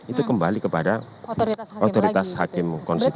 itu kembali kepada otoritas hakim konstitusi